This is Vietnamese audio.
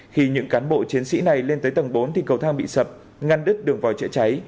khi những cán bộ chiến sĩ này lên tới tầng bốn thì cầu thang bị sập ngăn đứt đường vòi chữa cháy